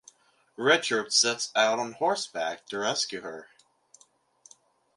Richard sets out on horseback to rescue her.